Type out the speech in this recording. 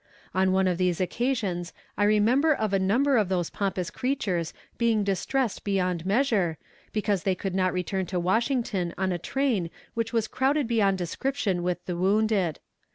On one of these occasions I remember of a number of those pompous creatures being distressed beyond measure, because they could not return to Washington on a train which was crowded beyond description with the wounded.